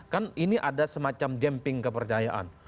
kan ini ada semacam jemping kepercayaan